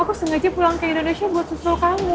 aku sengaja pulang ke indonesia buat susul kamu